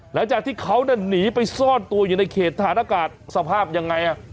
หลังจากที่เขาหนีไปซ่อนตัวอยู่ในเขตฐานอากาศสภาพยังไง